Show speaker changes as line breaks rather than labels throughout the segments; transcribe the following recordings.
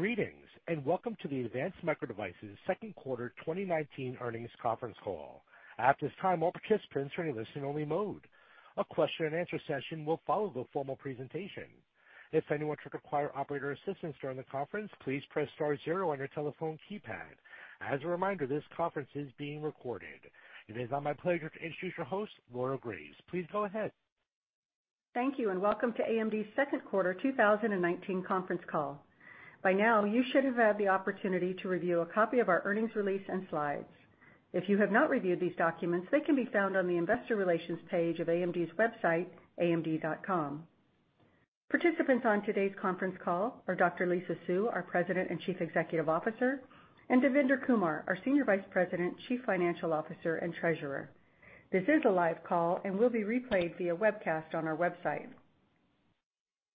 Greetings, welcome to the Advanced Micro Devices second quarter 2019 earnings conference call. At this time, all participants are in listen only mode. A question and answer session will follow the formal presentation. If anyone should require operator assistance during the conference, please press star zero on your telephone keypad. As a reminder, this conference is being recorded. It is now my pleasure to introduce your host, Laura Graves. Please go ahead.
Thank you, welcome to AMD's second quarter 2019 conference call. By now, you should have had the opportunity to review a copy of our earnings release and slides. If you have not reviewed these documents, they can be found on the investor relations page of AMD's website, amd.com. Participants on today's conference call are Dr. Lisa Su, our President and Chief Executive Officer, and Devinder Kumar, our Senior Vice President, Chief Financial Officer, and Treasurer. This is a live call and will be replayed via webcast on our website.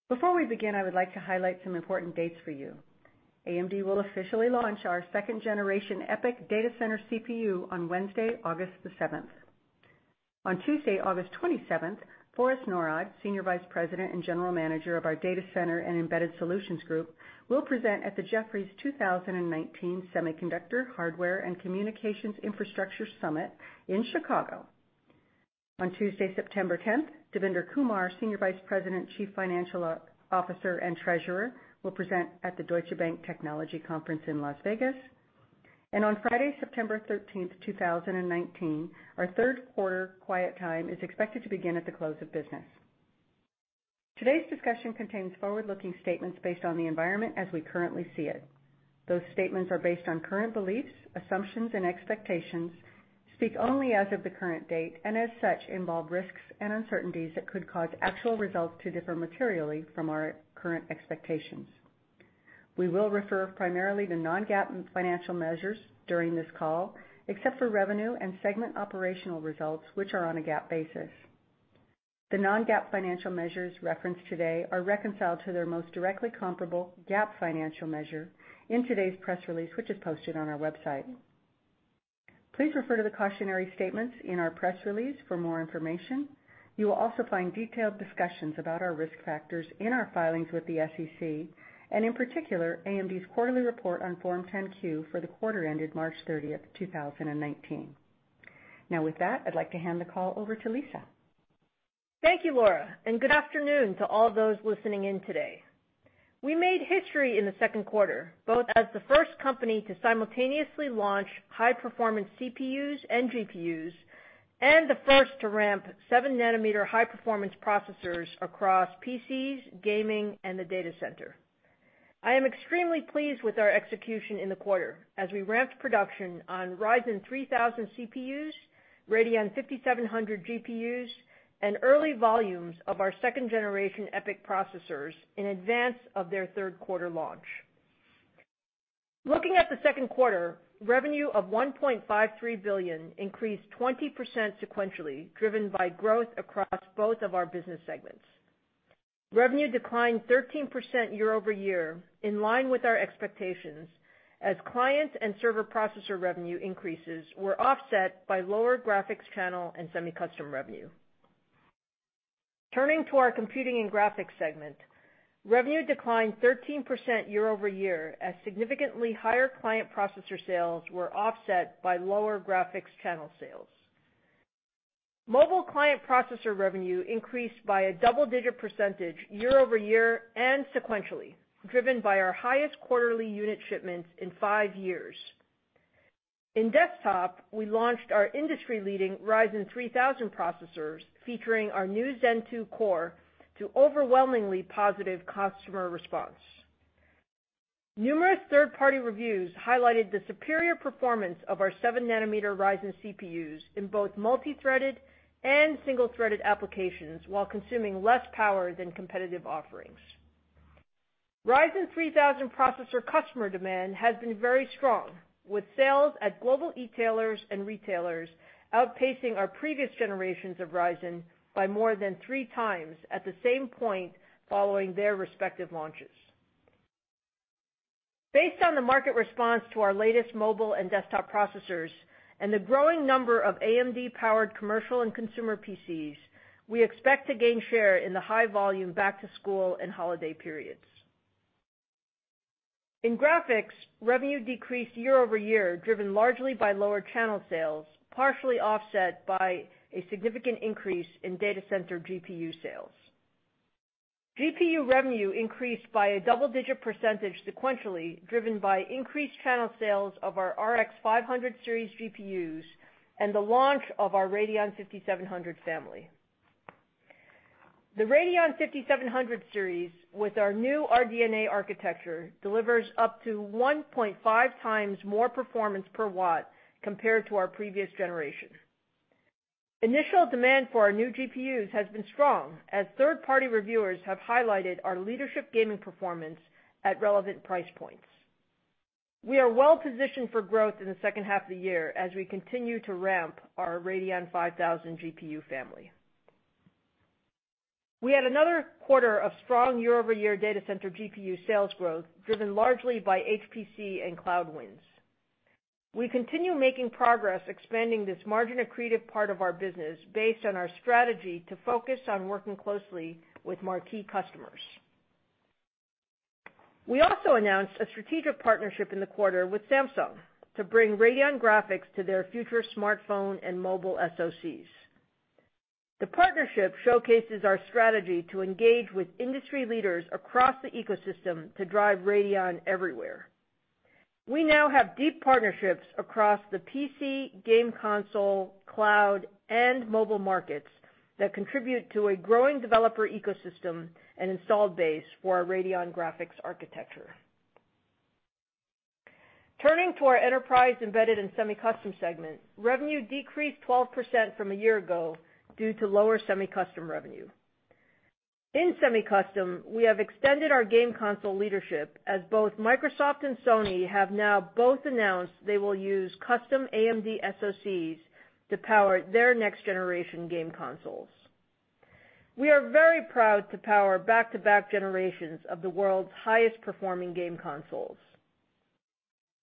Before we begin, I would like to highlight some important dates for you. AMD will officially launch our second generation EPYC data center CPU on Wednesday, August the 7th. On Tuesday, August 27th, Forrest Norrod, Senior Vice President and General Manager of our Datacenter and Embedded Solutions Group, will present at the Jefferies 2019 Semiconductor, Hardware, and Communications Infrastructure Summit in Chicago. On Tuesday, September 10th, Devinder Kumar, Senior Vice President, Chief Financial Officer, and Treasurer, will present at the Deutsche Bank Technology Conference in Las Vegas. On Friday, September 13th, 2019, our third quarter quiet time is expected to begin at the close of business. Today's discussion contains forward-looking statements based on the environment as we currently see it. Those statements are based on current beliefs, assumptions, and expectations, speak only as of the current date, and as such, involve risks and uncertainties that could cause actual results to differ materially from our current expectations. We will refer primarily to non-GAAP financial measures during this call, except for revenue and segment operational results, which are on a GAAP basis. The non-GAAP financial measures referenced today are reconciled to their most directly comparable GAAP financial measure in today's press release, which is posted on our website. Please refer to the cautionary statements in our press release for more information. You will also find detailed discussions about our risk factors in our filings with the SEC, and in particular, AMD's quarterly report on Form 10-Q for the quarter ended March 30, 2019. Now with that, I'd like to hand the call over to Lisa.
Thank you, Laura, and good afternoon to all those listening in today. We made history in the second quarter, both as the first company to simultaneously launch high-performance CPUs and GPUs, and the first to ramp seven nanometer high-performance processors across PCs, gaming, and the data center. I am extremely pleased with our execution in the quarter as we ramped production on Ryzen 3000 CPUs, Radeon 5700 GPUs, and early volumes of our second generation EPYC processors in advance of their third quarter launch. Looking at the second quarter, revenue of $1.53 billion increased 20% sequentially, driven by growth across both of our business segments. Revenue declined 13% year-over-year, in line with our expectations, as client and server processor revenue increases were offset by lower graphics channel and semi-custom revenue. Turning to our computing and graphics segment, revenue declined 13% year over year as significantly higher client processor sales were offset by lower graphics channel sales. Mobile client processor revenue increased by a double-digit percentage year over year and sequentially, driven by our highest quarterly unit shipments in five years. In desktop, we launched our industry-leading Ryzen 3000 processors featuring our new Zen 2 core to overwhelmingly positive customer response. Numerous third-party reviews highlighted the superior performance of our seven nanometer Ryzen CPUs in both multi-threaded and single-threaded applications while consuming less power than competitive offerings. Ryzen 3000 processor customer demand has been very strong, with sales at global e-tailers and retailers outpacing our previous generations of Ryzen by more than three times at the same point following their respective launches. Based on the market response to our latest mobile and desktop processors and the growing number of AMD-powered commercial and consumer PCs, we expect to gain share in the high volume back to school and holiday periods. In graphics, revenue decreased year-over-year, driven largely by lower channel sales, partially offset by a significant increase in datacenter GPU sales. GPU revenue increased by a double-digit percentage sequentially, driven by increased channel sales of our RX 500 Series GPUs and the launch of our Radeon 5700 family. The Radeon 5700 series, with our new RDNA architecture, delivers up to 1.5 times more performance per watt compared to our previous generation. Initial demand for our new GPUs has been strong, as third-party reviewers have highlighted our leadership gaming performance at relevant price points. We are well positioned for growth in the second half of the year as we continue to ramp our Radeon 5000 GPU family. We had another quarter of strong year-over-year datacenter GPU sales growth, driven largely by HPC and cloud wins. We continue making progress expanding this margin-accretive part of our business based on our strategy to focus on working closely with marquee customers. We also announced a strategic partnership in the quarter with Samsung to bring Radeon graphics to their future smartphone and mobile SoCs. The partnership showcases our strategy to engage with industry leaders across the ecosystem to drive Radeon everywhere. We now have deep partnerships across the PC, game console, cloud, and mobile markets that contribute to a growing developer ecosystem and installed base for our Radeon graphics architecture. Turning to our enterprise embedded and semi-custom segment, revenue decreased 12% from a year ago due to lower semi-custom revenue. In semi-custom, we have extended our game console leadership as both Microsoft and Sony have now both announced they will use custom AMD SoCs to power their next-generation game consoles. We are very proud to power back-to-back generations of the world's highest performing game consoles.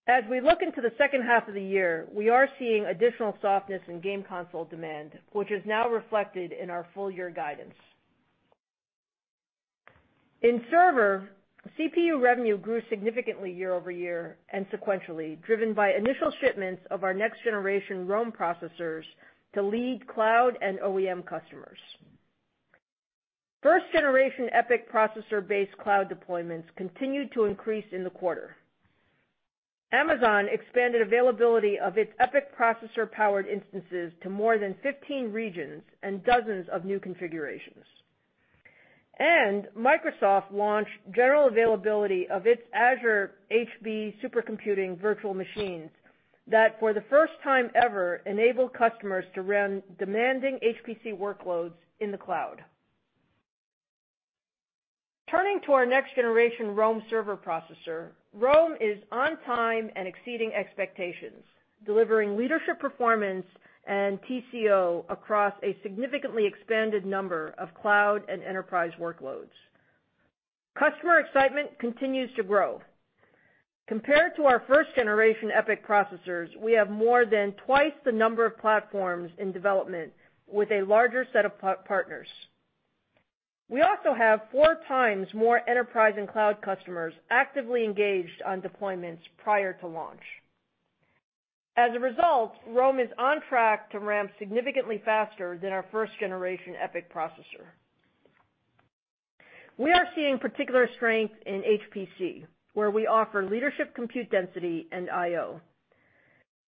As we look into the second half of the year, we are seeing additional softness in game console demand, which is now reflected in our full year guidance. In server, CPU revenue grew significantly year-over-year and sequentially, driven by initial shipments of our next-generation Rome processors to lead cloud and OEM customers. First generation EPYC processor-based cloud deployments continued to increase in the quarter. Amazon expanded availability of its EPYC processor-powered instances to more than 15 regions and dozens of new configurations. Microsoft launched general availability of its Azure HB supercomputing virtual machines that, for the first time ever, enable customers to run demanding HPC workloads in the cloud. Turning to our next generation Rome server processor, Rome is on time and exceeding expectations, delivering leadership performance and TCO across a significantly expanded number of cloud and enterprise workloads. Customer excitement continues to grow. Compared to our first generation EPYC processors, we have more than twice the number of platforms in development with a larger set of partners. We also have four times more enterprise and cloud customers actively engaged on deployments prior to launch. Rome is on track to ramp significantly faster than our first generation EPYC processor. We are seeing particular strength in HPC, where we offer leadership compute density and IO.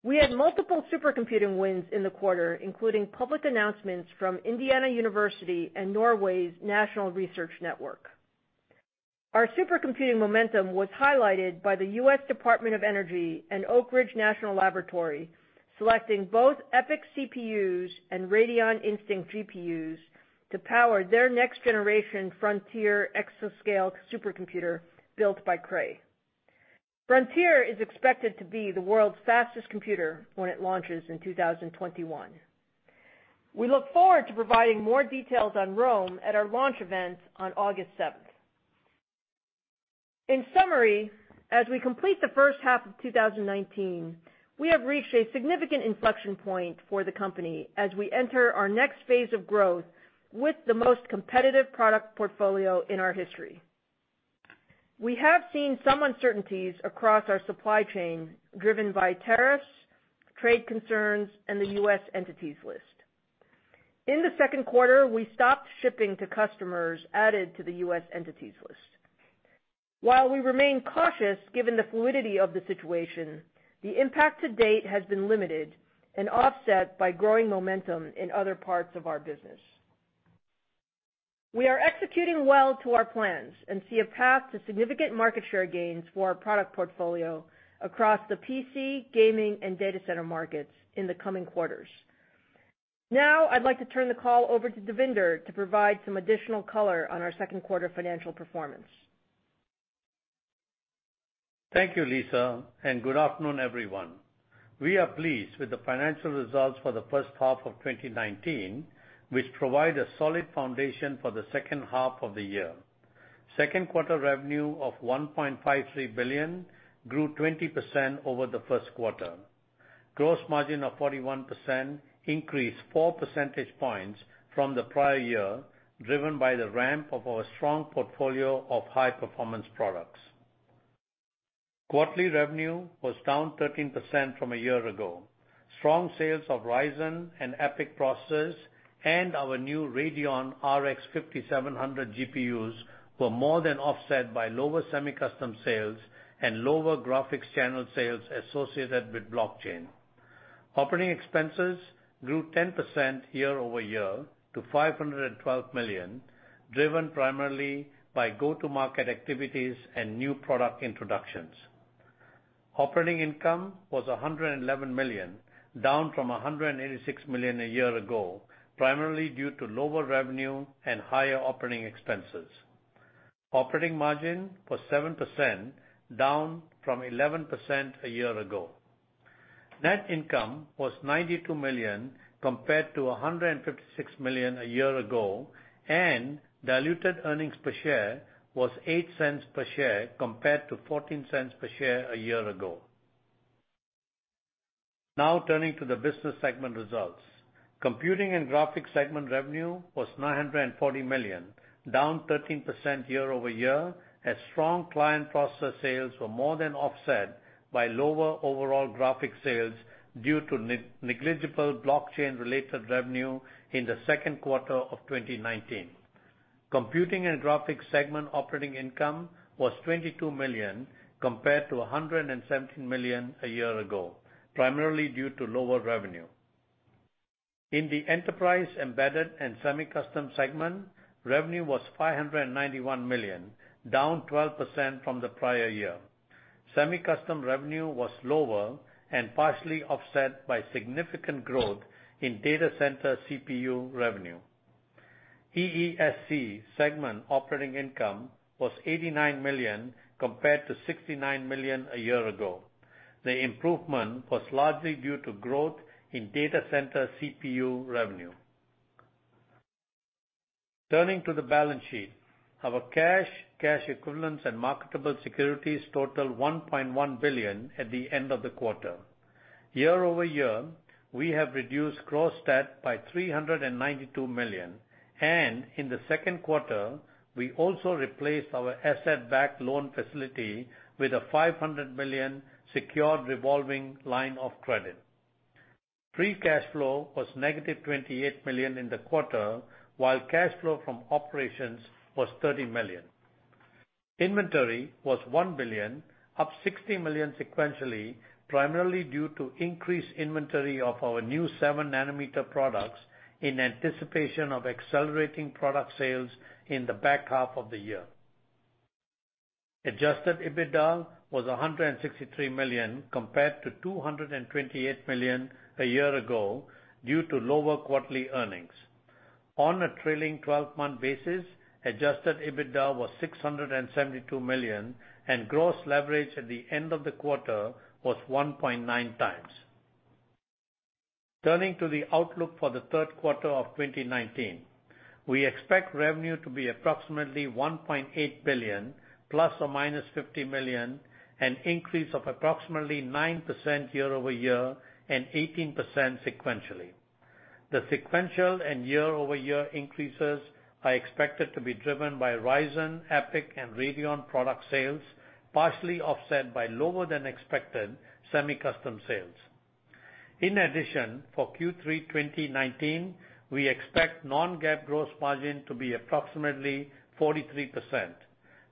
We had multiple supercomputing wins in the quarter, including public announcements from Indiana University and Norway's National Research Network. Our supercomputing momentum was highlighted by the U.S. Department of Energy and Oak Ridge National Laboratory, selecting both EPYC CPUs and Radeon Instinct GPUs to power their next generation Frontier exascale supercomputer built by Cray. Frontier is expected to be the world's fastest computer when it launches in 2021. We look forward to providing more details on Rome at our launch event on August 7th. In summary, as we complete the first half of 2019, we have reached a significant inflection point for the company as we enter our next phase of growth with the most competitive product portfolio in our history. We have seen some uncertainties across our supply chain driven by tariffs, trade concerns, and the U.S. entities list. In the second quarter, we stopped shipping to customers added to the U.S. entities list. While we remain cautious given the fluidity of the situation, the impact to date has been limited and offset by growing momentum in other parts of our business. We are executing well to our plans and see a path to significant market share gains for our product portfolio across the PC, gaming, and data center markets in the coming quarters. I'd like to turn the call over to Devinder to provide some additional color on our second quarter financial performance.
Thank you, Lisa. Good afternoon, everyone. We are pleased with the financial results for the first half of 2019, which provide a solid foundation for the second half of the year. Second quarter revenue of $1.53 billion grew 20% over the first quarter. Gross margin of 41% increased four percentage points from the prior year, driven by the ramp of our strong portfolio of high performance products. Quarterly revenue was down 13% from a year ago. Strong sales of Ryzen and EPYC processors and our new Radeon RX 5700 GPUs were more than offset by lower semi-custom sales and lower graphics channel sales associated with blockchain. Operating expenses grew 10% year-over-year to $512 million, driven primarily by go-to-market activities and new product introductions. Operating income was $111 million, down from $186 million a year ago, primarily due to lower revenue and higher operating expenses. Operating margin was 7%, down from 11% a year ago. Net income was $92 million compared to $156 million a year ago, and diluted earnings per share was $0.08 per share compared to $0.14 per share a year ago. Now turning to the business segment results. Computing and Graphics segment revenue was $940 million, down 13% year-over-year, as strong client processor sales were more than offset by lower overall graphics sales due to negligible blockchain-related revenue in the second quarter of 2019. Computing and Graphics segment operating income was $22 million, compared to $117 million a year ago, primarily due to lower revenue. In the Enterprise, Embedded, and Semi-Custom segment, revenue was $591 million, down 12% from the prior year. Semi-Custom revenue was lower and partially offset by significant growth in datacenter CPU revenue. EESC segment operating income was $89 million, compared to $69 million a year ago. The improvement was largely due to growth in data center CPU revenue. Turning to the balance sheet. Our cash equivalents, and marketable securities totaled $1.1 billion at the end of the quarter. Year-over-year, we have reduced gross debt by $392 million, and in the second quarter, we also replaced our asset-backed loan facility with a $500 million secured revolving line of credit. Free cash flow was negative $28 million in the quarter, while cash flow from operations was $30 million. Inventory was $1 billion, up $60 million sequentially, primarily due to increased inventory of our new seven-nanometer products in anticipation of accelerating product sales in the back half of the year. Adjusted EBITDA was $163 million compared to $228 million a year ago due to lower quarterly earnings. On a trailing 12-month basis, adjusted EBITDA was $672 million. Gross leverage at the end of the quarter was 1.9 times. Turning to the outlook for the third quarter of 2019. We expect revenue to be approximately $1.8 billion, plus or minus $50 million, an increase of approximately 9% year-over-year and 18% sequentially. The sequential and year-over-year increases are expected to be driven by Ryzen, EPYC, and Radeon product sales, partially offset by lower-than-expected semi-custom sales. For Q3 2019, we expect non-GAAP gross margin to be approximately 43%,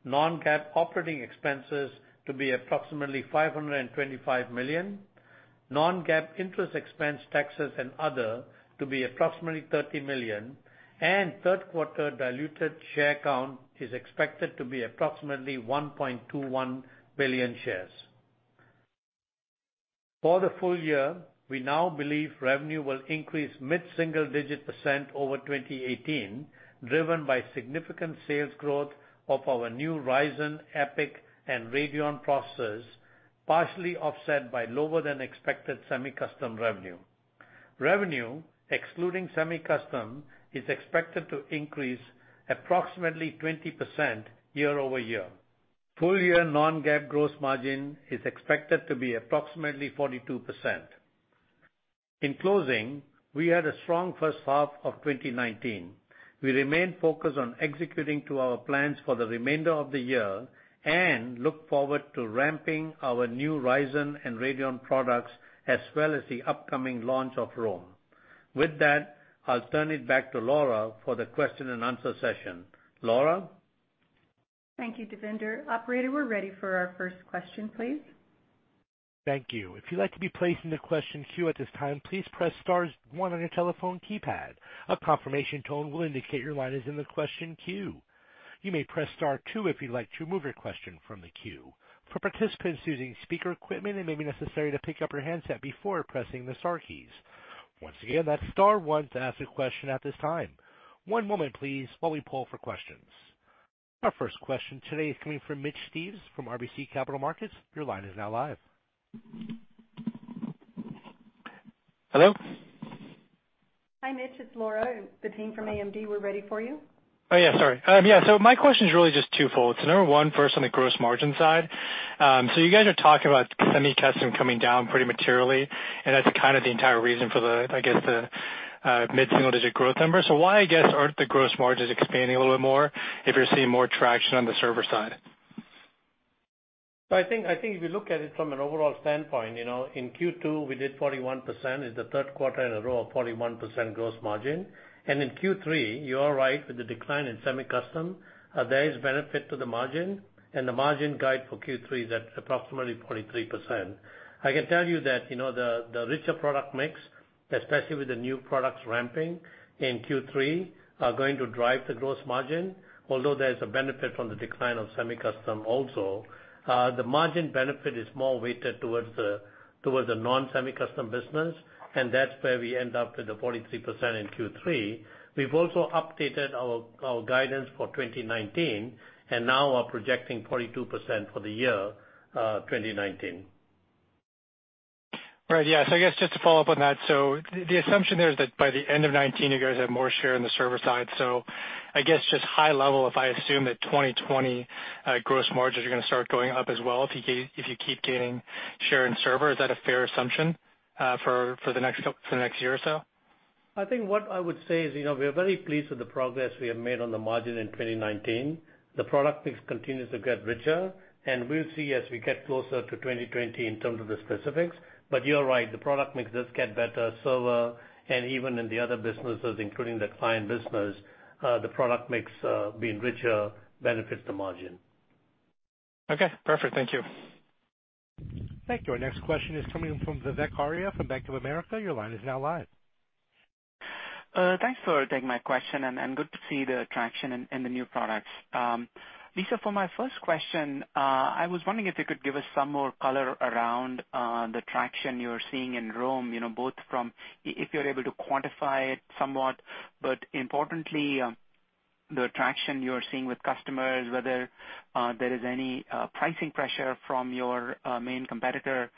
non-GAAP operating expenses to be approximately $525 million, non-GAAP interest expense, taxes, and other to be approximately $30 million. Third-quarter diluted share count is expected to be approximately 1.21 billion shares. For the full year, we now believe revenue will increase mid-single-digit % over 2018, driven by significant sales growth of our new Ryzen, EPYC, and Radeon processors, partially offset by lower-than-expected semi-custom revenue. Revenue, excluding semi-custom, is expected to increase approximately 20% year-over-year. Full-year non-GAAP gross margin is expected to be approximately 42%. In closing, we had a strong first half of 2019. We remain focused on executing to our plans for the remainder of the year and look forward to ramping our new Ryzen and Radeon products, as well as the upcoming launch of Rome. With that, I'll turn it back to Laura for the question and answer session. Laura?
Thank you, Devinder. Operator, we're ready for our first question, please.
Thank you. If you'd like to be placed in the question queue at this time, please press star one on your telephone keypad. A confirmation tone will indicate your line is in the question queue. You may press star two if you'd like to remove your question from the queue. For participants using speaker equipment, it may be necessary to pick up your handset before pressing the star keys. Once again, that's star one to ask a question at this time. One moment, please, while we poll for questions. Our first question today is coming from Mitch Steves from RBC Capital Markets. Your line is now live.
Hello?
Hi, Mitch, it's Laura and the team from AMD. We're ready for you.
Oh, yeah, sorry. My question is really just twofold. Number one, first on the gross margin side. You guys are talking about semi-custom coming down pretty materially, and that's kind of the entire reason for the, I guess, the mid-single-digit growth number. Why, I guess, aren't the gross margins expanding a little bit more if you're seeing more traction on the server side?
I think if you look at it from an overall standpoint, in Q2, we did 41%, it's the third quarter in a row of 41% gross margin. In Q3, you are right, with the decline in semi-custom, there is benefit to the margin and the margin guide for Q3 is at approximately 43%. I can tell you that the richer product mix, especially with the new products ramping in Q3, are going to drive the gross margin. There is a benefit from the decline of semi-custom also. The margin benefit is more weighted towards the non-semi-custom business, that's where we end up with the 43% in Q3. We've also updated our guidance for 2019 and now are projecting 42% for the year 2019.
Right. Yeah. I guess just to follow up on that. The assumption there is that by the end of 2019, you guys have more share in the server side. I guess just high level, if I assume that 2020 gross margins are going to start going up as well if you keep gaining share in server, is that a fair assumption for the next year or so?
I think what I would say is we are very pleased with the progress we have made on the margin in 2019. The product mix continues to get richer, and we'll see as we get closer to 2020 in terms of the specifics. You are right, the product mix does get better. Server and even in the other businesses, including the client business, the product mix being richer benefits the margin.
Okay, perfect. Thank you.
Thank you. Our next question is coming from Vivek Arya from Bank of America. Your line is now live.
Thanks for taking my question, and good to see the traction in the new products. Lisa, for my first question, I was wondering if you could give us some more color around the traction you're seeing in Rome, both from if you're able to quantify it somewhat, but importantly, the traction you're seeing with customers, whether there is any pricing pressure from your main competitor.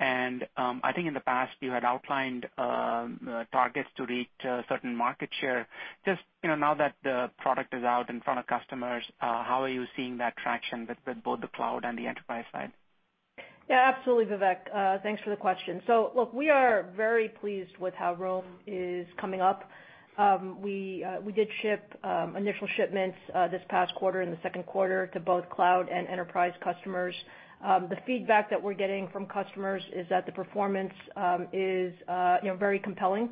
I think in the past, you had outlined targets to reach a certain market share. Just now that the product is out in front of customers, how are you seeing that traction with both the cloud and the enterprise side?
Yeah, absolutely. Vivek, thanks for the question. Look, we are very pleased with how Rome is coming up. We did initial shipments this past quarter in the second quarter to both cloud and enterprise customers. The feedback that we're getting from customers is that the performance is very compelling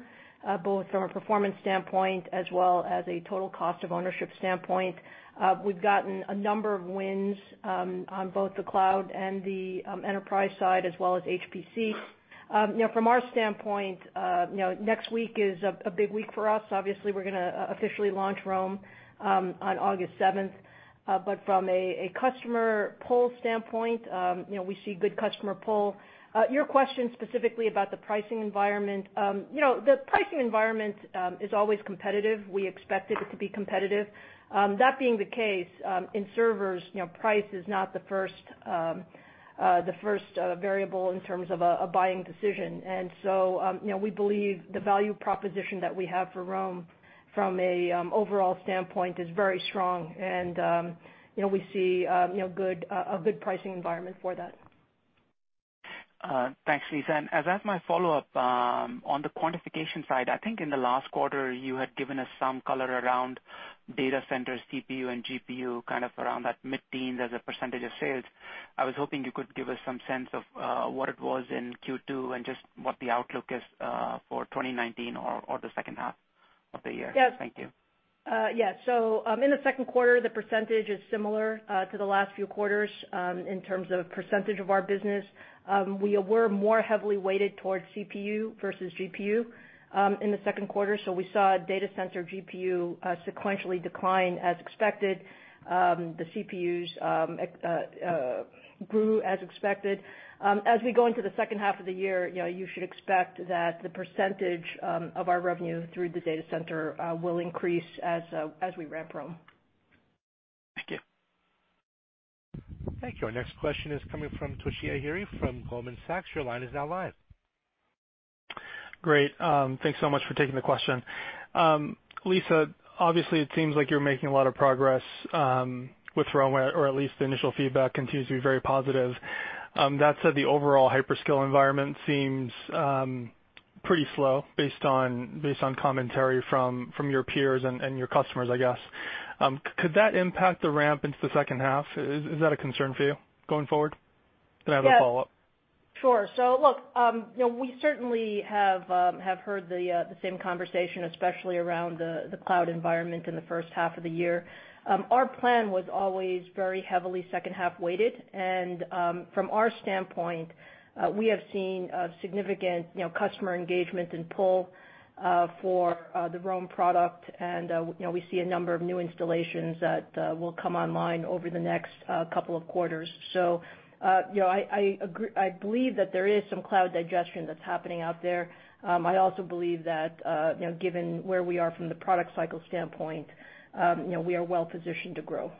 both from a performance standpoint as well as a total cost of ownership standpoint. We've gotten a number of wins on both the cloud and the enterprise side, as well as HPC. From our standpoint, next week is a big week for us. Obviously, we're going to officially launch Rome on August 7th. From a customer poll standpoint, we see good customer poll. Your question specifically about the pricing environment. The pricing environment is always competitive. We expect it to be competitive. That being the case, in servers, price is not the first variable in terms of a buying decision. We believe the value proposition that we have for Rome from a overall standpoint is very strong, and we see a good pricing environment for that.
Thanks, Lisa. As my follow-up, on the quantification side, I think in the last quarter, you had given us some color around data centers, CPU and GPU, kind of around that mid-teens as a % of sales. I was hoping you could give us some sense of what it was in Q2 and just what the outlook is for 2019 or the second half of the year?
Yes.
Thank you.
In the second quarter, the percentage is similar to the last few quarters in terms of percentage of our business. We were more heavily weighted towards CPU versus GPU in the second quarter, so we saw data center GPU sequentially decline as expected. The CPUs grew as expected. We go into the second half of the year, you should expect that the percentage of our revenue through the data center will increase as we ramp Rome.
Thank you.
Thank you. Our next question is coming from Toshiya Hari from Goldman Sachs. Your line is now live.
Great. Thanks so much for taking the question. Lisa, obviously, it seems like you're making a lot of progress with Rome, or at least the initial feedback continues to be very positive. That said, the overall hyperscale environment seems pretty slow based on commentary from your peers and your customers, I guess. Could that impact the ramp into the second half? Is that a concern for you going forward? I have a follow-up.
Sure. Look, we certainly have heard the same conversation, especially around the cloud environment in the first half of the year. Our plan was always very heavily second-half weighted, from our standpoint, we have seen significant customer engagement and pull for the Rome product, we see a number of new installations that will come online over the next couple of quarters. I believe that there is some cloud digestion that's happening out there. I also believe that given where we are from the product cycle standpoint we are well-positioned to grow.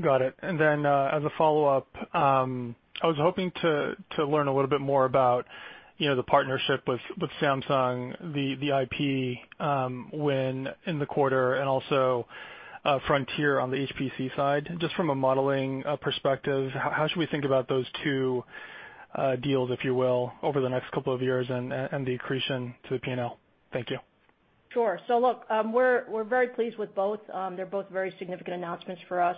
Got it. As a follow-up, I was hoping to learn a little bit more about the partnership with Samsung, the IP win in the quarter and also Frontier on the HPC side. Just from a modeling perspective, how should we think about those two deals, if you will, over the next couple of years and the accretion to the P&L? Thank you.
Sure. Look, we are very pleased with both. They are both very significant announcements for us.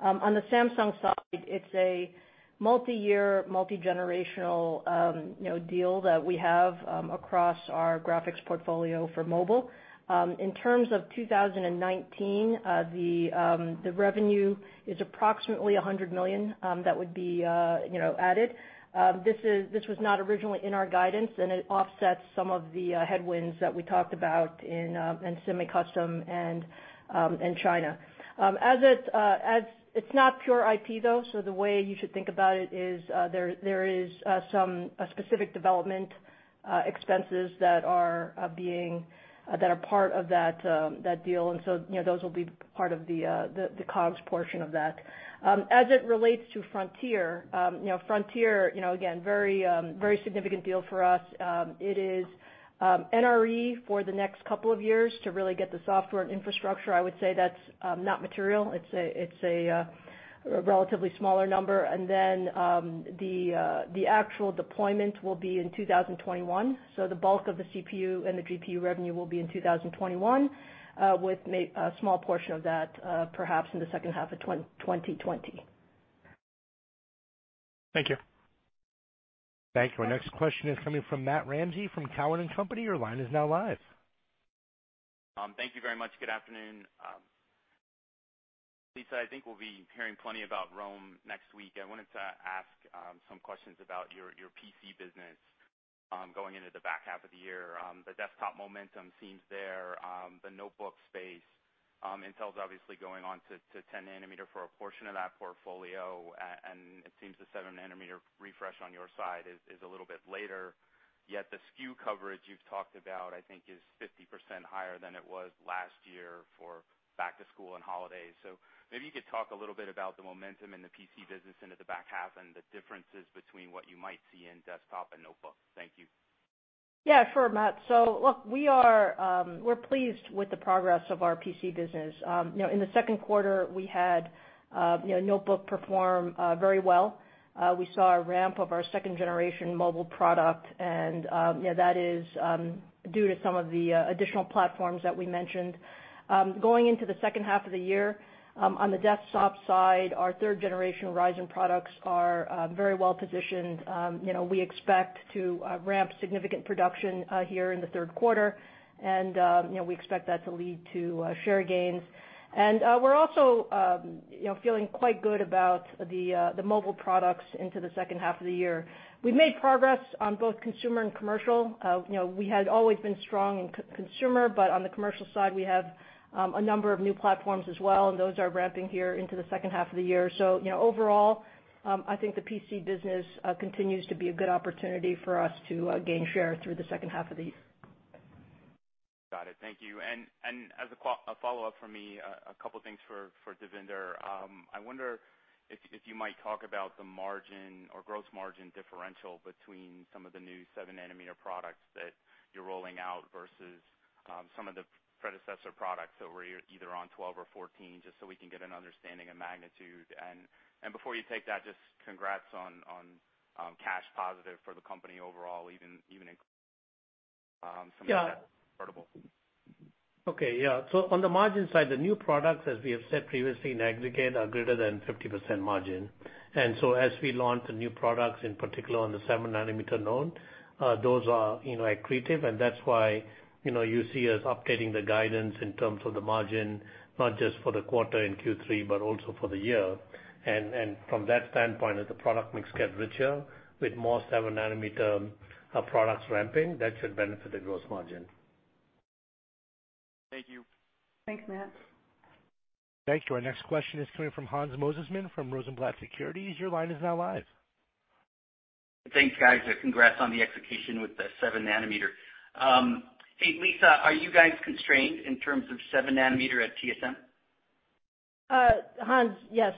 On the Samsung side, it's a multi-year, multi-generational deal that we have across our graphics portfolio for mobile. In terms of 2019, the revenue is approximately $100 million that would be added. This was not originally in our guidance. It offsets some of the headwinds that we talked about in semi-custom and China. It's not pure IP, though. The way you should think about it is there is some specific development expenses that are part of that deal, those will be part of the COGS portion of that. As it relates to Frontier, again, very significant deal for us. It is NRE for the next couple of years to really get the software and infrastructure. I would say that's not material. It's a relatively smaller number. The actual deployment will be in 2021. The bulk of the CPU and the GPU revenue will be in 2021, with a small portion of that perhaps in the second half of 2020.
Thank you.
Thank you. Our next question is coming from Matt Ramsay from Cowen and Company. Your line is now live.
Thank you very much. Good afternoon. Lisa, I think we'll be hearing plenty about Rome next week. I wanted to ask some questions about your PC business going into the back half of the year. The desktop momentum seems there. The notebook space, Intel's obviously going on to 10 nanometer for a portion of that portfolio, and it seems the seven nanometer refresh on your side is a little bit later, yet the SKU coverage you've talked about, I think, is 50% higher than it was last year for back to school and holidays. Maybe you could talk a little bit about the momentum in the PC business into the back half and the differences between what you might see in desktop and notebook. Thank you.
Yeah, sure, Matt. Look, we're pleased with the progress of our PC business. In the second quarter, we had notebook perform very well. We saw a ramp of our second generation mobile product, that is due to some of the additional platforms that we mentioned. Going into the second half of the year, on the desktop side, our third generation Ryzen products are very well positioned. We expect to ramp significant production here in the third quarter, we expect that to lead to share gains. We're also feeling quite good about the mobile products into the second half of the year. We've made progress on both consumer and commercial. We had always been strong in consumer, on the commercial side, we have a number of new platforms as well, those are ramping here into the second half of the year. Overall, I think the PC business continues to be a good opportunity for us to gain share through the second half of the year.
Got it. Thank you. As a follow-up from me, a couple things for Devinder. I wonder if you might talk about the margin or gross margin differential between some of the new seven nanometer products that you're rolling out versus some of the predecessor products that were either on 12 or 14, just so we can get an understanding of magnitude. Before you take that, just congrats on cash positive for the company overall, even.
Yeah. Some of the portable. Okay. Yeah. On the margin side, the new products, as we have said previously in aggregate, are greater than 50% margin. As we launch the new products, in particular on the 7nm node, those are accretive, and that's why you see us updating the guidance in terms of the margin, not just for the quarter in Q3, but also for the year. From that standpoint, as the product mix gets richer with more 7nm products ramping, that should benefit the gross margin.
Thank you.
Thanks, Matt.
Thank you. Our next question is coming from Hans Mosesmann from Rosenblatt Securities. Your line is now live.
Thanks, guys, and congrats on the execution with the 7nm. Hey, Lisa, are you guys constrained in terms of 7nm at TSMC?
Hans, yes.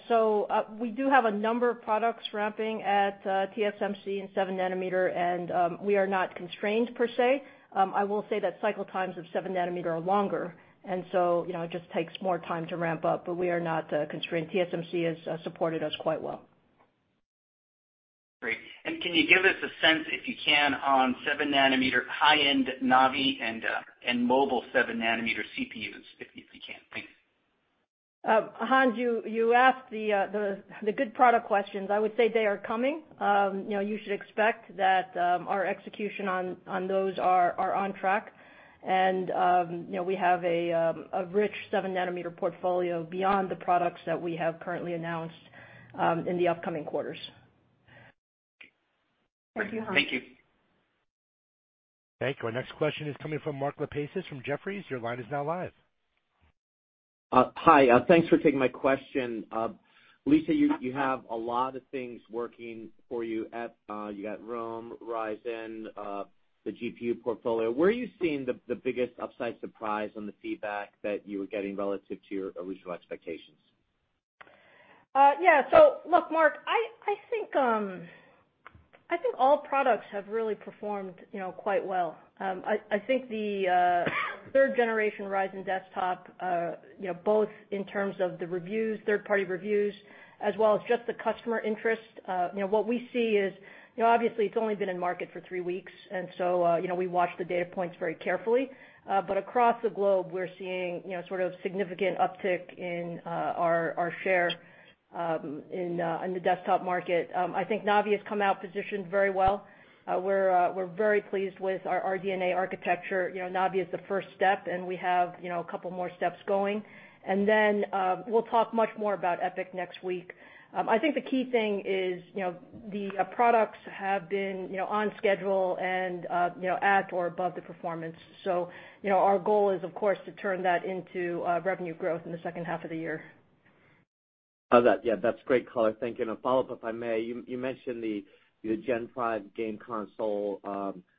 We do have a number of products ramping at TSMC in seven nanometer, and we are not constrained per se. I will say that cycle times of seven nanometer are longer, it just takes more time to ramp up. We are not constrained. TSMC has supported us quite well.
Great. Can you give us a sense, if you can, on seven nanometer high-end Navi and mobile seven nanometer CPUs, if you can? Thanks.
Hans, you asked the good product questions. I would say they are coming. You should expect that our execution on those are on track. We have a rich seven-nanometer portfolio beyond the products that we have currently announced in the upcoming quarters.
Thank you.
Thank you, Hans.
Thank you. Our next question is coming from Mark Lipacis from Jefferies. Your line is now live.
Hi. Thanks for taking my question. Lisa, you have a lot of things working for you. You got Rome, Ryzen, the GPU portfolio. Where are you seeing the biggest upside surprise on the feedback that you were getting relative to your original expectations?
Look, Mark, I think all products have really performed quite well. I think the third-generation Ryzen desktop both in terms of the third-party reviews as well as just the customer interest. What we see is, obviously it's only been in market for three weeks, we watch the data points very carefully. Across the globe, we're seeing sort of significant uptick in our share in the desktop market. I think Navi has come out positioned very well. We're very pleased with our RDNA architecture. Navi is the first step, we have a couple more steps going. We'll talk much more about EPYC next week. I think the key thing is the products have been on schedule and at or above the performance. Our goal is, of course, to turn that into revenue growth in the second half of the year.
Yeah, that's great color. Thank you. A follow-up, if I may. You mentioned the gen 5 game console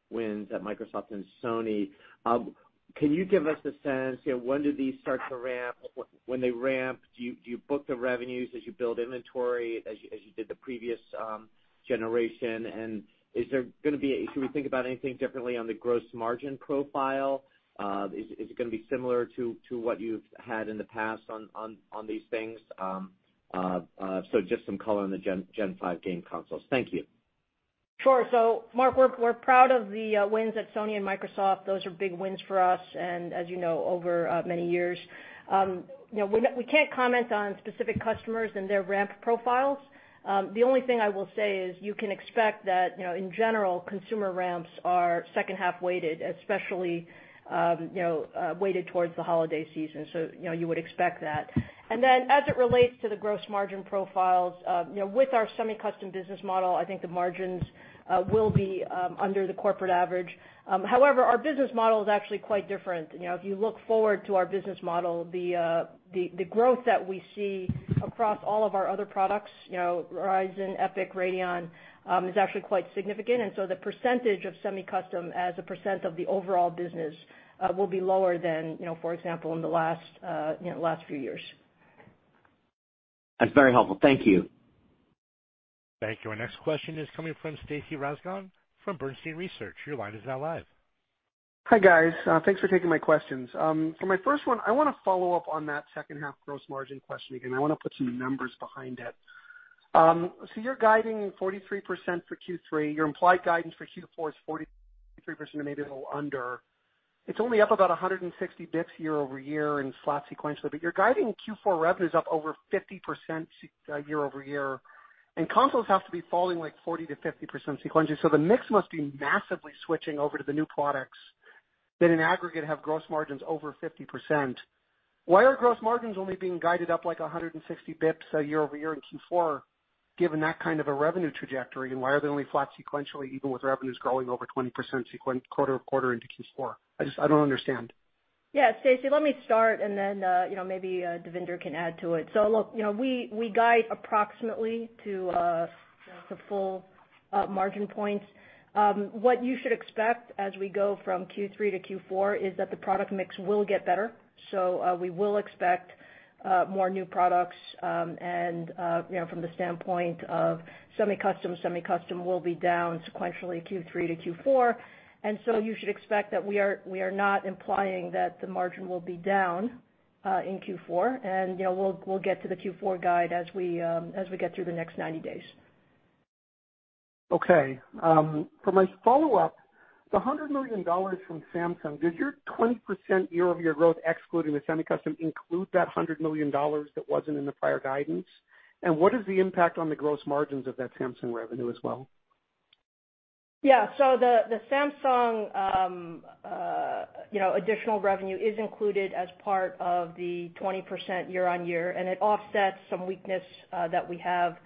wins at Microsoft and Sony. Can you give us a sense, when do these start to ramp? When they ramp, do you book the revenues as you build inventory as you did the previous generation, and should we think about anything differently on the gross margin profile? Is it going to be similar to what you've had in the past on these things? Just some color on the gen 5 game consoles. Thank you.
Sure. Mark, we're proud of the wins at Sony and Microsoft. Those are big wins for us, and as you know, over many years. We can't comment on specific customers and their ramp profiles. The only thing I will say is you can expect that, in general, consumer ramps are second half weighted, especially weighted towards the holiday season. You would expect that. As it relates to the gross margin profiles, with our semi-custom business model, I think the margins will be under the corporate average. However, our business model is actually quite different. If you look forward to our business model, the growth that we see across all of our other products, Ryzen, EPYC, Radeon, is actually quite significant. The percentage of semi-custom as a percent of the overall business will be lower than, for example, in the last few years.
That's very helpful. Thank you.
Thank you. Our next question is coming from Stacy Rasgon from Bernstein Research. Your line is now live.
Hi, guys. Thanks for taking my questions. For my first one, I want to follow up on that second half gross margin question again. I want to put some numbers behind it. You're guiding 43% for Q3. Your implied guidance for Q4 is 43%, or maybe a little under. It's only up about 160 basis points year-over-year and flat sequentially, but you're guiding Q4 revenues up over 50% year-over-year. Consoles have to be falling 40%-50% sequentially, so the mix must be massively switching over to the new products that in aggregate have gross margins over 50%. Why are gross margins only being guided up 160 basis points year-over-year in Q4 given that kind of a revenue trajectory, and why are they only flat sequentially even with revenues growing over 20% quarter-over-quarter into Q4? I don't understand.
Yeah. Stacy, let me start and then maybe Devinder can add to it. Look, we guide approximately to full margin points. What you should expect as we go from Q3 to Q4 is that the product mix will get better. We will expect more new products, and from the standpoint of semi-custom, semi-custom will be down sequentially Q3 to Q4. You should expect that we are not implying that the margin will be down in Q4, and we'll get to the Q4 guide as we get through the next 90 days.
Okay. For my follow-up, the $100 million from Samsung, does your 20% year-over-year growth excluding the semi-custom include that $100 million that wasn't in the prior guidance? What is the impact on the gross margins of that Samsung revenue as well?
The Samsung additional revenue is included as part of the 20% year-over-year, and it offsets some weakness that we have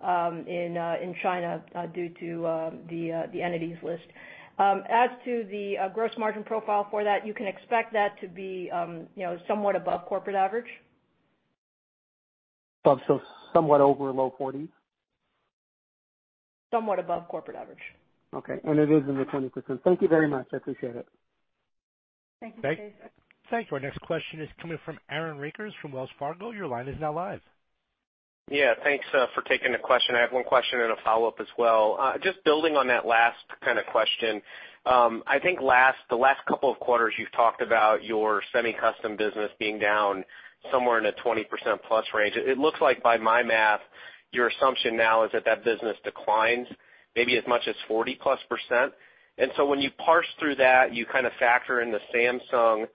in China due to the entities list. As to the gross margin profile for that, you can expect that to be somewhat above corporate average.
Somewhat over low 40s?
Somewhat above corporate average.
Okay. It is in the 20%. Thank you very much. I appreciate it.
Thank you, Stacy.
Thank you. Our next question is coming from Aaron Rakers from Wells Fargo. Your line is now live.
Yeah, thanks for taking the question. I have one question and a follow-up as well. Just building on that last question. I think the last couple of quarters, you've talked about your semi-custom business being down somewhere in a 20%+ range. It looks like by my math, your assumption now is that that business declines maybe as much as 40%+. When you parse through that, you factor in the Samsung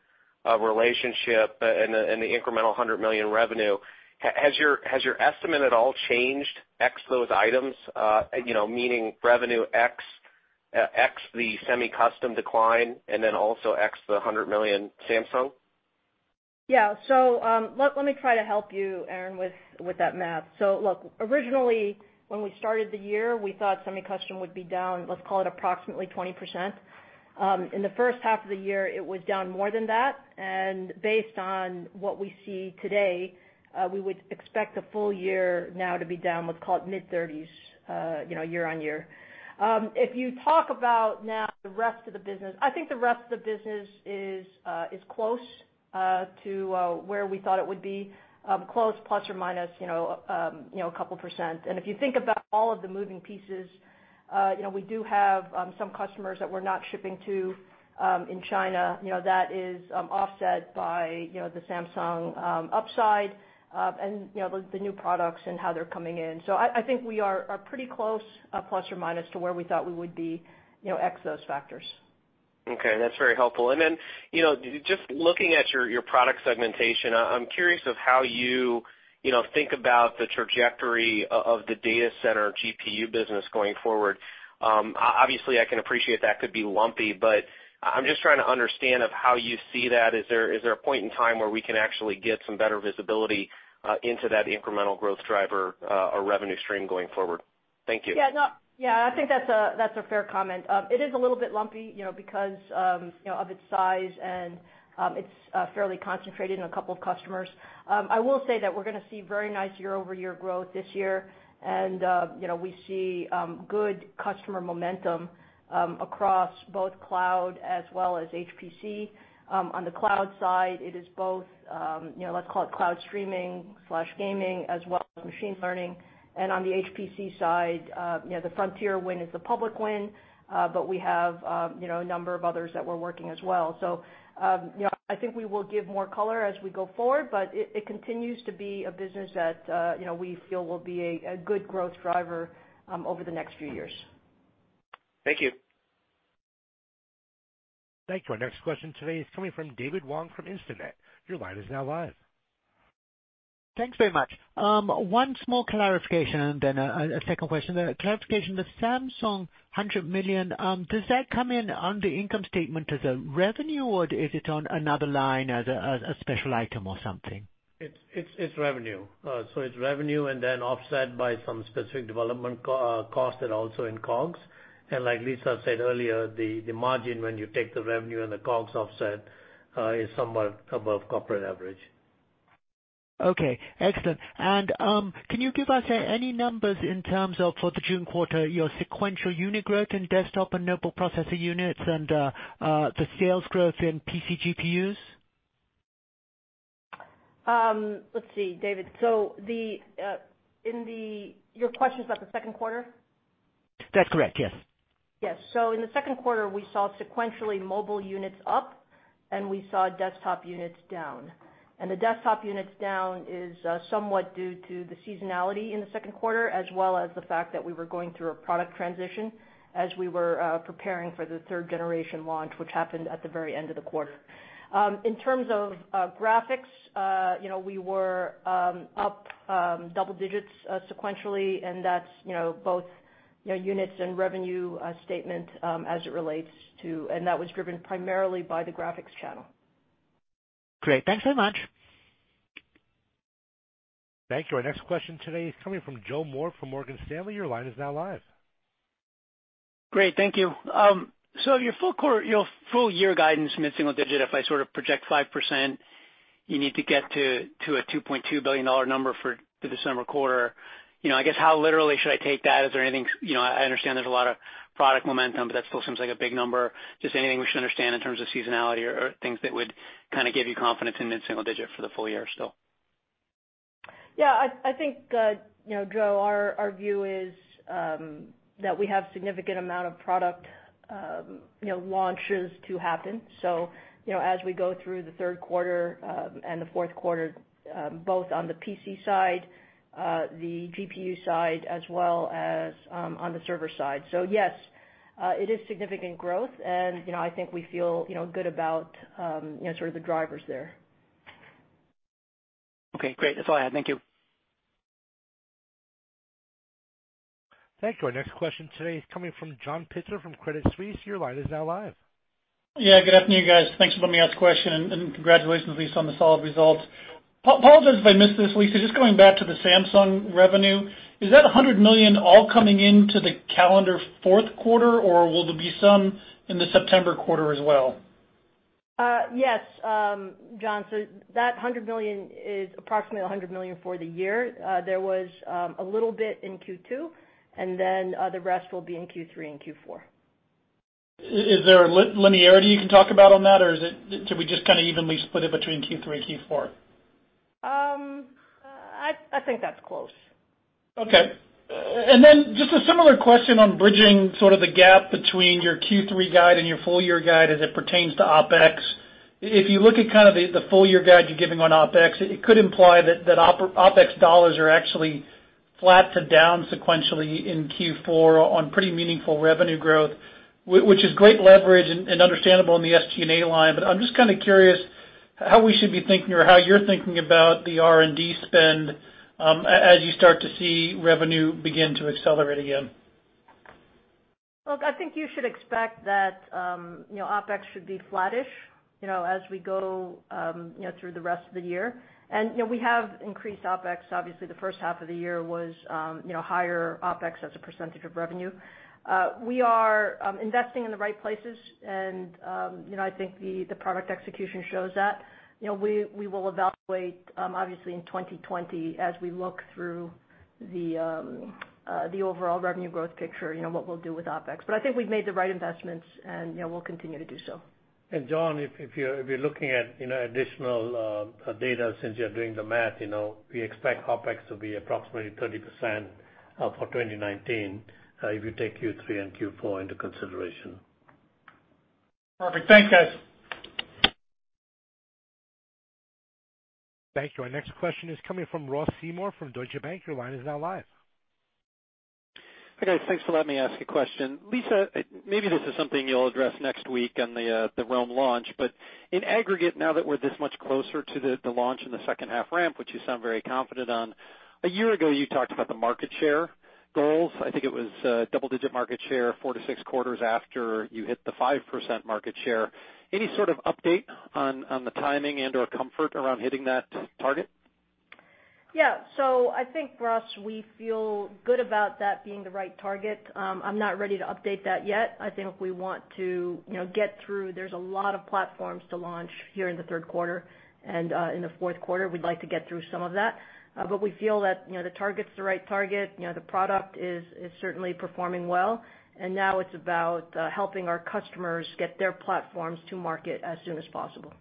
relationship and the incremental $100 million revenue, has your estimate at all changed ex those items? Meaning revenue ex the semi-custom decline, and then also ex the $100 million Samsung?
Yeah. Let me try to help you, Aaron, with that math. Originally when we started the year, we thought semi-custom would be down, let's call it approximately 20%. In the first half of the year, it was down more than that. Based on what we see today, we would expect the full year now to be down, let's call it mid-30s year-on-year. If you talk about now the rest of the business, I think the rest of the business is close to where we thought it would be, close plus or minus a couple percent. If you think about all of the moving pieces, we do have some customers that we're not shipping to in China. That is offset by the Samsung upside, and the new products and how they're coming in. I think we are pretty close, ±, to where we thought we would be ex those factors.
Okay, that's very helpful. Just looking at your product segmentation, I'm curious of how you think about the trajectory of the data center GPU business going forward. I can appreciate that could be lumpy, but I'm just trying to understand of how you see that. Is there a point in time where we can actually get some better visibility into that incremental growth driver or revenue stream going forward? Thank you.
Yeah, I think that's a fair comment. It is a little bit lumpy, because of its size and it's fairly concentrated in a couple of customers. I will say that we're going to see very nice year-over-year growth this year, and we see good customer momentum across both cloud as well as HPC. On the cloud side, it is both, let's call it cloud streaming/gaming as well as machine learning. On the HPC side, the Frontier win is a public win, but we have a number of others that we're working as well. I think we will give more color as we go forward, but it continues to be a business that we feel will be a good growth driver over the next few years.
Thank you.
Thank you. Our next question today is coming from David Wong from Instinet. Your line is now live.
Thanks very much. One small clarification, and then a second question. The clarification, the Samsung $100 million, does that come in on the income statement as a revenue, or is it on another line as a special item or something?
It's revenue. It's revenue and then offset by some specific development cost and also in COGS. Like Lisa said earlier, the margin when you take the revenue and the COGS offset is somewhat above corporate average.
Okay. Excellent. Can you give us any numbers in terms of, for the June quarter, your sequential unit growth in desktop and notebook processor units and the sales growth in PC GPUs?
Let's see, David. Your question's about the second quarter?
That's correct. Yes.
Yes. In the second quarter, we saw sequentially mobile units up, and we saw desktop units down. The desktop units down is somewhat due to the seasonality in the second quarter, as well as the fact that we were going through a product transition as we were preparing for the third generation launch, which happened at the very end of the quarter. In terms of graphics, we were up double digits sequentially, and that's both units and revenue statement as it relates to. That was driven primarily by the graphics channel.
Great. Thanks so much.
Thank you. Our next question today is coming from Joe Moore from Morgan Stanley. Your line is now live.
Great. Thank you. Your full year guidance mid-single digit, if I sort of project 5%, you need to get to a $2.2 billion number for the December quarter. I guess how literally should I take that? I understand there's a lot of product momentum, but that still seems like a big number. Just anything we should understand in terms of seasonality or things that would give you confidence in mid-single digit for the full year still?
Yeah, I think, Joe, our view is that we have significant amount of product launches to happen. As we go through the third quarter, and the fourth quarter, both on the PC side, the GPU side as well as on the server side. Yes, it is significant growth, and I think we feel good about sort of the drivers there.
Okay, great. That's all I had. Thank you.
Thank you. Our next question today is coming from John Pitzer from Credit Suisse. Your line is now live.
Yeah, good afternoon, guys. Thanks for letting me ask a question, and congratulations, Lisa, on the solid results. Apologize if I missed this, Lisa, just going back to the Samsung revenue, is that $100 million all coming into the calendar fourth quarter, or will there be some in the September quarter as well?
Yes, John. That $100 million is approximately $100 million for the year. There was a little bit in Q2, and then the rest will be in Q3 and Q4.
Is there a linearity you can talk about on that, or should we just evenly split it between Q3 and Q4?
I think that's close.
Okay. Then just a similar question on bridging sort of the gap between your Q3 guide and your full year guide as it pertains to OpEx. If you look at kind of the full year guide you're giving on OpEx, it could imply that OpEx dollars are actually flat to down sequentially in Q4 on pretty meaningful revenue growth, which is great leverage and understandable in the SG&A line, but I'm just kind of curious how we should be thinking or how you're thinking about the R&D spend as you start to see revenue begin to accelerate again.
Look, I think you should expect that OpEx should be flattish as we go through the rest of the year. We have increased OpEx, obviously, the first half of the year was higher OpEx as a % of revenue. We are investing in the right places, and I think the product execution shows that. We will evaluate, obviously, in 2020 as we look through the overall revenue growth picture, what we'll do with OpEx. I think we've made the right investments, and we'll continue to do so.
John, if you're looking at additional data since you're doing the math, we expect OpEx to be approximately 30% for 2019, if you take Q3 and Q4 into consideration.
Perfect. Thanks, guys.
Thank you. Our next question is coming from Ross Seymore from Deutsche Bank. Your line is now live.
Hi, guys. Thanks for letting me ask a question. Lisa, maybe this is something you'll address next week on the Rome launch. In aggregate, now that we're this much closer to the launch and the second half ramp, which you sound very confident on, a year ago, you talked about the market share goals. I think it was double-digit market share four to six quarters after you hit the 5% market share. Any sort of update on the timing and/or comfort around hitting that target?
Yeah. I think, Ross, we feel good about that being the right target. I'm not ready to update that yet. I think we want to get through. There's a lot of platforms to launch here in the third quarter and in the fourth quarter. We'd like to get through some of that. We feel that the target's the right target. The product is certainly performing well, and now it's about helping our customers get their platforms to market as soon as possible.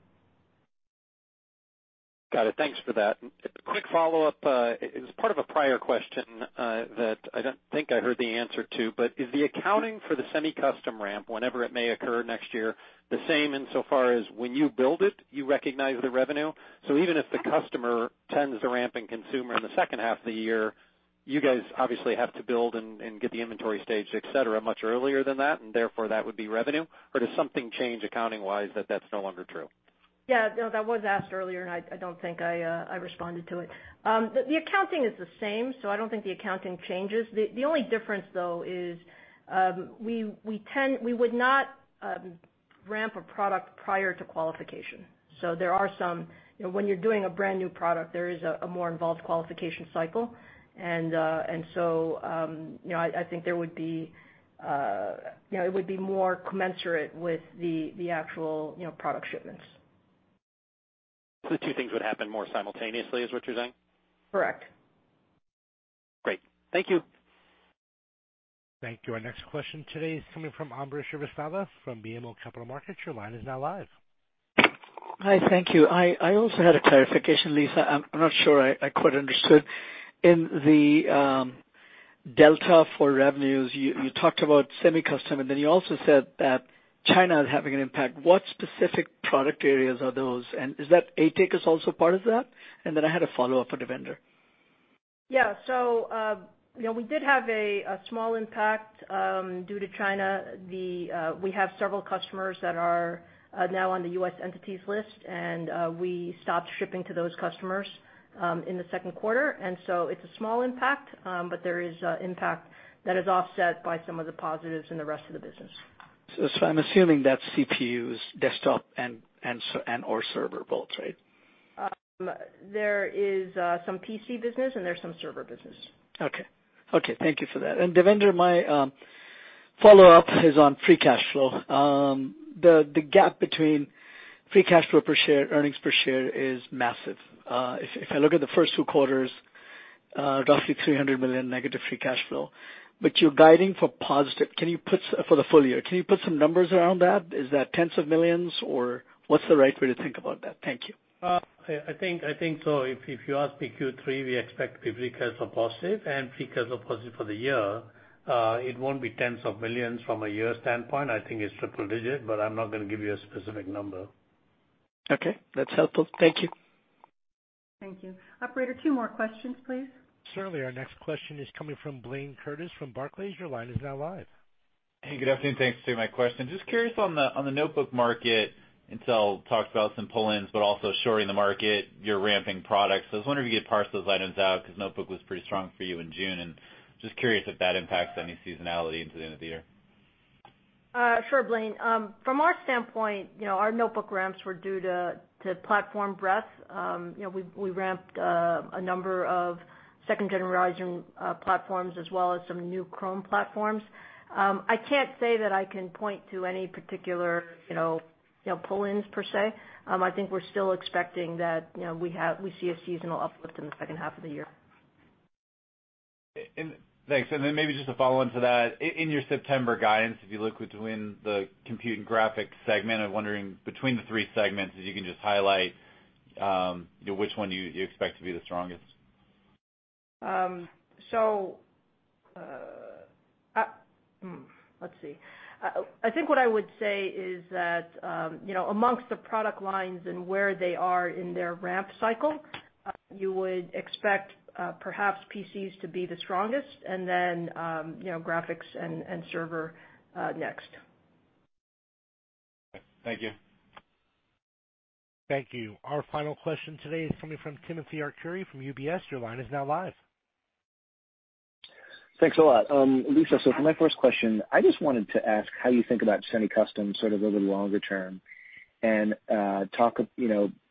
Got it. Thanks for that. Quick follow-up. It was part of a prior question that I don't think I heard the answer to, but is the accounting for the semi-custom ramp, whenever it may occur next year, the same insofar as when you build it, you recognize the revenue? Even if the customer tends to ramp in consumer in the second half of the year, you guys obviously have to build and get the inventory staged, et cetera, much earlier than that, and therefore that would be revenue? Does something change accounting-wise that that's no longer true?
Yeah. No, that was asked earlier, and I don't think I responded to it. The accounting is the same. I don't think the accounting changes. The only difference, though, is we would not ramp a product prior to qualification. When you're doing a brand-new product, there is a more involved qualification cycle. I think it would be more commensurate with the actual product shipments.
The two things would happen more simultaneously, is what you're saying?
Correct.
Great. Thank you.
Thank you. Our next question today is coming from Ambrish Srivastava from BMO Capital Markets. Your line is now live.
Hi, thank you. I also had a clarification, Lisa. I'm not sure I quite understood. In the delta for revenues, you talked about semi-custom, and then you also said that China is having an impact. What specific product areas are those? Is Atos also part of that? I had a follow-up for Devinder.
We did have a small impact due to China. We have several customers that are now on the U.S. entities list, and we stopped shipping to those customers in the second quarter. It's a small impact, but there is impact that is offset by some of the positives in the rest of the business.
I'm assuming that's CPUs, desktop and/or server, both, right?
There is some PC business. There's some server business.
Okay. Thank you for that. Devinder, my follow-up is on free cash flow. The gap between free cash flow per share, earnings per share is massive. If I look at the first two quarters, roughly $300 million negative free cash flow. You're guiding for positive for the full year. Can you put some numbers around that? Is that tens of millions, or what's the right way to think about that? Thank you.
I think so. If you ask me, Q3, we expect free cash flow positive and free cash flow positive for the year. It won't be $ tens of millions from a year standpoint. I think it's triple digit, but I'm not going to give you a specific number.
Okay. That's helpful. Thank you.
Thank you. Operator, two more questions, please.
Certainly. Our next question is coming from Blayne Curtis from Barclays. Your line is now live.
Hey, good afternoon. Thanks for taking my question. Just curious on the notebook market, Intel talked about some pull-ins, but also shoring the market, you're ramping products. I was wondering if you could parse those items out, because notebook was pretty strong for you in June, and just curious if that impacts any seasonality into the end of the year?
Sure, Blayne. From our standpoint, our notebook ramps were due to platform breadth. We ramped a number of second-generation platforms as well as some new Chromebook platforms. I can't say that I can point to any particular pull-ins, per se. I think we're still expecting that we see a seasonal uplift in the second half of the year.
Thanks. Maybe just a follow-on to that. In your September guidance, if you look between the compute and graphics segment, I'm wondering between the three segments, if you can just highlight which one you expect to be the strongest.
Let's see. I think what I would say is that amongst the product lines and where they are in their ramp cycle, you would expect perhaps PCs to be the strongest and then graphics and server next.
Thank you.
Thank you. Our final question today is coming from Timothy Arcuri from UBS. Your line is now live.
Thanks a lot. Lisa, For my first question, I just wanted to ask how you think about semi-custom sort of over the longer term and talk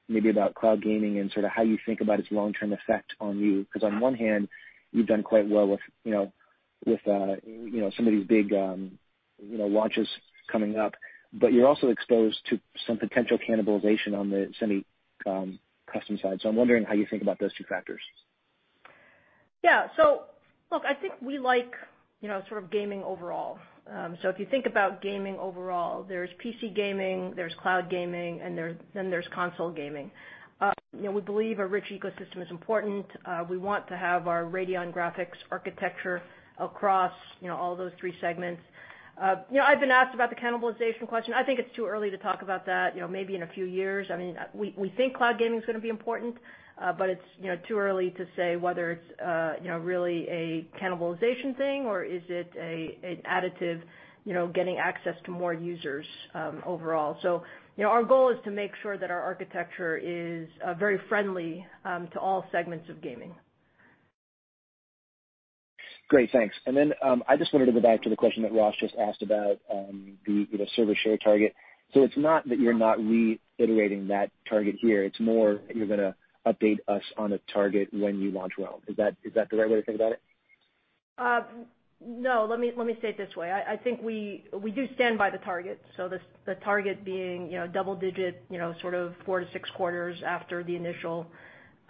maybe about cloud gaming and sort of how you think about its long-term effect on you. On one hand, you've done quite well with some of these big launches coming up, but you're also exposed to some potential cannibalization on the semi-custom side. I'm wondering how you think about those two factors.
Look, I think we like sort of gaming overall. If you think about gaming overall, there's PC gaming, there's cloud gaming, then there's console gaming. We believe a rich ecosystem is important. We want to have our Radeon graphics architecture across all those three segments. I've been asked about the cannibalization question. I think it's too early to talk about that. Maybe in a few years. We think cloud gaming is going to be important, but it's too early to say whether it's really a cannibalization thing, or is it an additive, getting access to more users overall. Our goal is to make sure that our architecture is very friendly to all segments of gaming.
Great. Thanks. I just wanted to go back to the question that Ross just asked about the server share target. It's not that you're not reiterating that target here, it's more that you're going to update us on a target when you launch Rome. Is that the right way to think about it?
No. Let me say it this way. I think we do stand by the target. The target being double-digit, sort of 4-6 quarters after the initial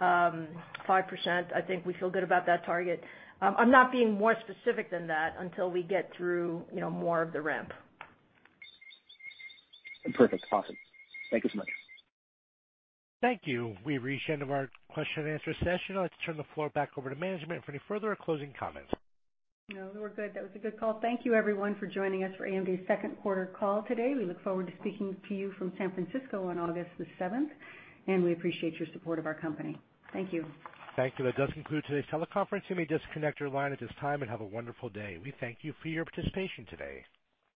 5%. I think we feel good about that target. I'm not being more specific than that until we get through more of the ramp.
Perfect. Awesome. Thank you so much.
Thank you. We've reached the end of our question and answer session. I'd like to turn the floor back over to management for any further or closing comments.
No, we're good. That was a good call. Thank you everyone for joining us for AMD's second quarter call today. We look forward to speaking to you from San Francisco on August the 7th. We appreciate your support of our company. Thank you.
Thank you. That does conclude today's teleconference. You may disconnect your line at this time, and have a wonderful day. We thank you for your participation today.